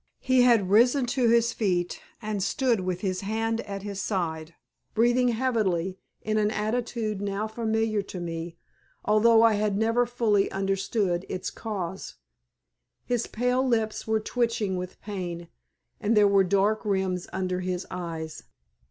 He had risen to his feet, and stood with his hand at his side, breathing heavily, in an attitude now familiar to me, although I had never fully understood its cause. His pale lips were twitching with pain, and there were dark rims under his eyes.